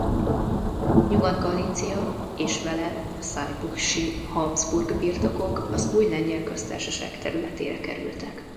Nyugat-Galícia és vele a saybusch-i Habsburg-birtokok az új Lengyel Köztársaság területére kerültek.